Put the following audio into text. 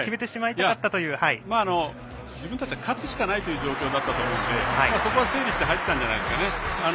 自分たちが勝つしかないという状況だったのでそこは整理して入ったんじゃないでしょうかね。